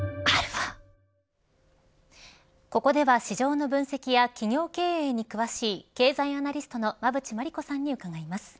ここでは市場の分析や企業経営に詳しい経済アナリストの馬渕磨理子さんに伺います。